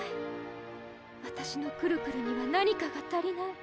わたしのくるくるには何かが足りない。